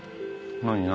何？